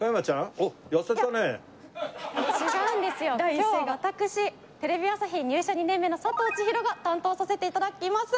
今日は私テレビ朝日入社２年目の佐藤ちひろが担当させて頂きます！